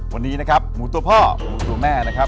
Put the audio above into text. วันนี้นะครับหมูตัวพ่อหมูตัวแม่นะครับ